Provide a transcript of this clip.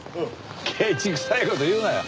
ケチくさい事言うなよ。